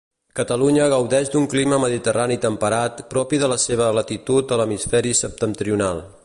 Catalunya gaudeix d'un clima mediterrani temperat propi de la seva latitud a l'hemisferi septentrional.